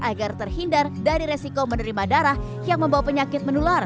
agar terhindar dari resiko menerima darah yang membawa penyakit menular